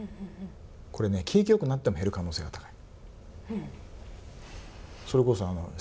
これね、景気よくなっても減る可能性が高い。